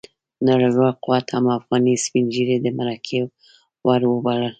نړیوال قوت هم افغاني سپين ږيري د مرګي وړ وبلل.